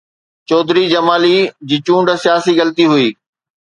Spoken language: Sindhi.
چوڌري جمالي جي چونڊ سياسي غلطي هئي.